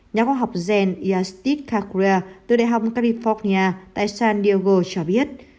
nhà khoa học gen yastit kakra từ đại học california tại san diego cho biết